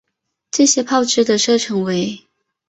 这些炮支的射程为。